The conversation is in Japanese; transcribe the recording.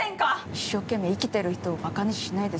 一生懸命生きてる人をバカにしないで。